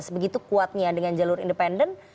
sebegitu kuatnya dengan jalur independen